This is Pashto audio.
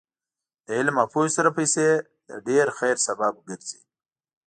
د علم او پوهې سره پیسې د ډېر خیر سبب ګرځي.